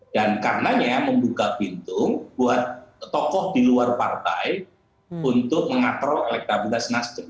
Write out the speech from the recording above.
dan karenanya membuka pintu buat tokoh di luar partai untuk mengatrol elektabilitas nasdem